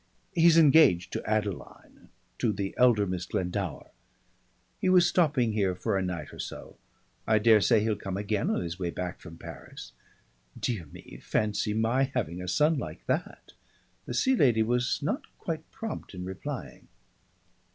He's engaged to Adeline, to the elder Miss Glendower. He was stopping here for a night or so. I daresay he'll come again on his way back from Paris. Dear me! Fancy my having a son like that!" The Sea Lady was not quite prompt in replying.